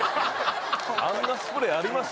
あんなスプレーあります？